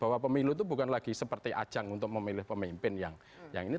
bahwa pemilu itu bukan lagi seperti ajang untuk memilih pemimpin yang ini